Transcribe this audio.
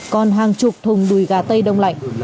còn hàng chục thùng đùi gà tây đông lạnh